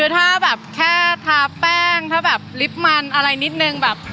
คือถ้าแบบแค่ทาแป้งถ้าแบบลิฟต์มันอะไรนิดนึงแบบ